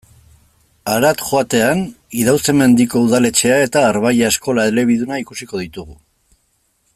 Harat joatean, Idauze-Mendiko udaletxea eta Arbailla eskola elebiduna ikusiko ditugu.